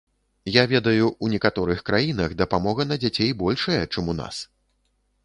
Я ведаю, ў некаторых краінах дапамога на дзяцей большая, чым ў нас.